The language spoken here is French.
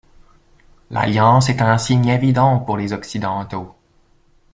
L'alliance est un signe évident pour les Occidentaux.